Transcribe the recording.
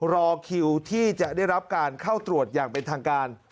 รอคิวที่จะได้รับการเข้าตรวจอย่างเป็นทางการ